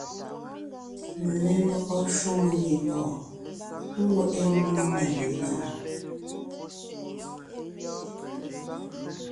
Lelɔgɔ shwòŋo ngiembɔɔn ŋweʼe mmó na menɔ̀ɔn.